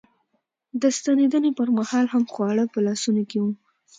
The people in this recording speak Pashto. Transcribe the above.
د ستنېدنې پر مهال هم خواړه په لاسونو کې و.